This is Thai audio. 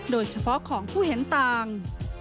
โดยเฉพาะของผู้เห็นต่าง